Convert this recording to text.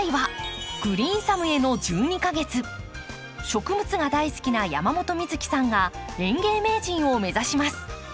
植物が大好きな山本美月さんが園芸名人を目指します。